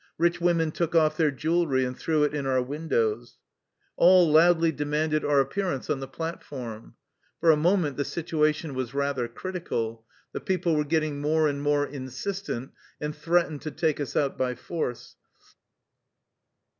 Rich women took off their jewelry and threw it in our windows. All 171 THE LIFE STOKY OF A KUSSIAN EXILE loudly demanded our appearance on the plat form. For a moment the situation was rather critical. The people were getting more and more insistent, and threatened to take us out by force.